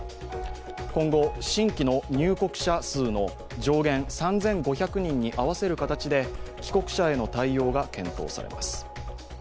今後、新規の入国者数の上限３５００人に合わせる形で帰国者への対応が検討されます。